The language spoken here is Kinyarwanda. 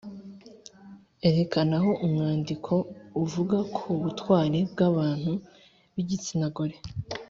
erekana aho umwandiko uvuga ku butwari bw’abantu b’igitsina gore.